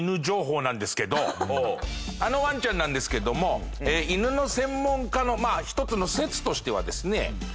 あのワンちゃんなんですけども犬の専門家の一つの説としてはですね